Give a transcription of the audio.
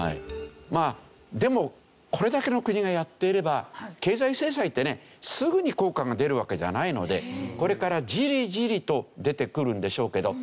まあでもこれだけの国がやっていれば経済制裁ってねすぐに効果が出るわけではないのでこれからじりじりと出てくるんでしょうけど。